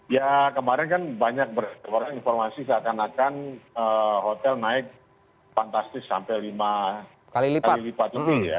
ya kemarin kan banyak berita informasi saat anakan hotel naik fantastis sampai lima kali lipat